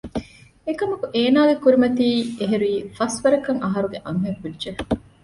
އެކަމަކު އޭނާގެ ކުރިމަތީ އެހުރީ ފަސްވަރަކަށް އަހަރުގެ އަންހެންކުއްޖެއް